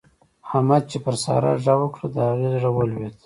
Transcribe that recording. احمد چې پر سارا غږ وکړ؛ د هغې زړه ولوېد.